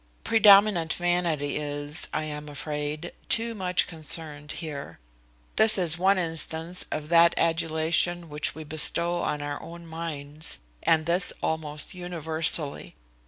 Predominant vanity is, I am afraid, too much concerned here. This is one instance of that adulation which we bestow on our own minds, and this almost universally.